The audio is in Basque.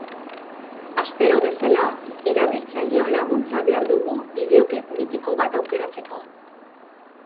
Astero bezala, erabiltzaileon laguntza behar dugu bideoklip mitiko bat aukeratzeko.